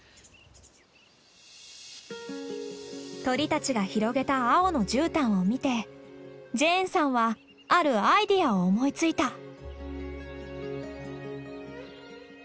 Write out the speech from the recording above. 鳥たちが広げた青のじゅうたんを見てジェーンさんはあるアイデアを思いついた。